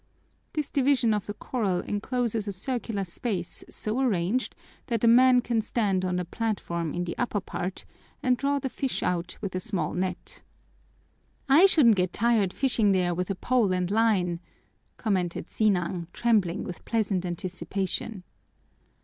This division of the corral encloses a circular space so arranged that a man can stand on a platform in the upper part and draw the fish out with a small net. "I shouldn't get tired fishing there with a pole and line," commented Sinang, trembling with pleasant anticipation.